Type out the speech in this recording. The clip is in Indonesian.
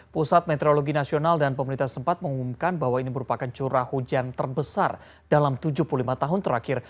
pusat meteorologi nasional dan pemerintah sempat mengumumkan bahwa ini merupakan curah hujan terbesar dalam tujuh puluh lima tahun terakhir